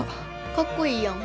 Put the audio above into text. かっこいいやん。